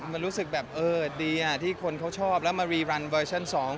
มันรู้สึกแบบเออดีอ่ะที่คนเขาชอบแล้วมารีรันเวอร์ชั่นสอง